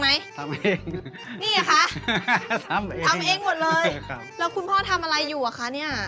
นี่เหรอคะทำเองหมดเลยแล้วคุณพ่อทำอะไรอยู่เหรอคะเนี่ย